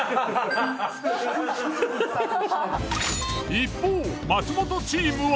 一方松本チームは。